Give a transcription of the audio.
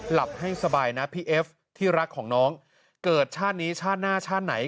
หลับให้สบายนะพี่เอฟที่รักของน้องเกิดชาตินี้ชาติหน้าชาติไหน